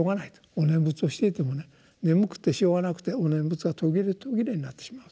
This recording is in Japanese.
「お念仏をしていても眠くてしょうがなくてお念仏が途切れ途切れになってしまう」と。